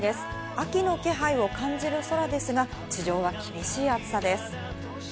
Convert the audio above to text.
秋の気配を感じる空ですが、地上は厳しい暑さです。